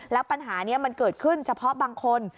แล้วปัญหานี้มันเกิดขึ้นเฉพาะบางคน